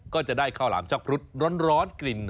ก็จะได้ข้าวหลามชักพรุดร้อนกลิ่น